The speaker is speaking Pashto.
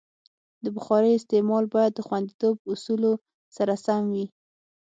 د بخارۍ استعمال باید د خوندیتوب اصولو سره سم وي.